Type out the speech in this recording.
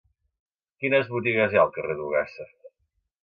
Quines botigues hi ha al carrer d'Ogassa?